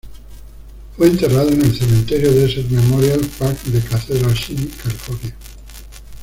Fue enterrado en el Cementerio Desert Memorial Park de Cathedral City, California.